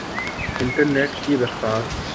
internet کی رفتار